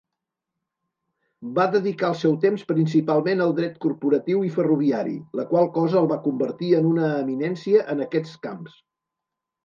Va dedicar el seu temps principalment al dret corporatiu i ferroviari, la qual cosa el va convertir en una eminència en aquests camps.